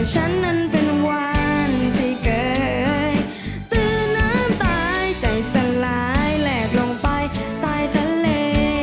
เยอะแรงที่ไม่เกินตื่นน้ำตายใจสลายแหลดลงไปตายทะเล